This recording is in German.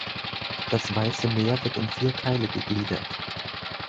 Das Weiße Meer wird in vier Teile gegliedert.